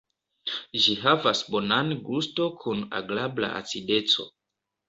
Ĝi havas bonan gusto kun agrabla acideco.